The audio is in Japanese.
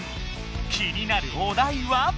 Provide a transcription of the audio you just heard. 気になるお題は？